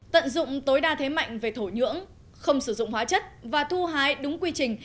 tận dụng tối đa thế mạnh về thổ nhưỡng không sử dụng hóa chất và thu hái đúng quy trình